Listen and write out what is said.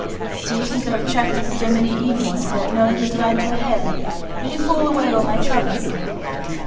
Do you think I have tracked him so many evenings, without knowing his line to a hair? Will you fool away all my trouble?'